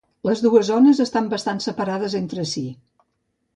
Les dues zones estan bastant separades entre si.